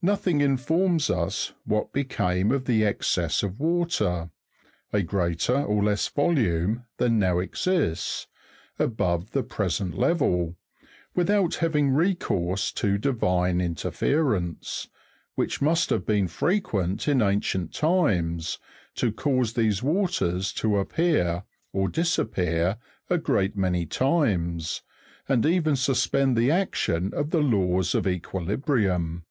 Nothing informs us what became of the excess of water (a greater or less volume than now exists) above the present level, without having recourse to divine interference, which must have been frequent in ancient times, to cause 'these waters to appear or disappear a great many times, and even suspend the' action of the laws of equilibrium.